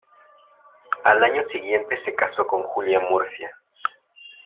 Al año siguiente se casó con Julia Murcia.